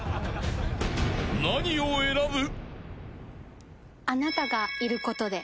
［何を選ぶ？］